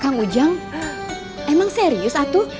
kang ujang emang serius satu